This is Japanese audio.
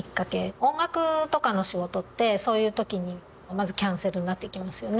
音楽とかの仕事ってそういう時にまずキャンセルになっていきますよね。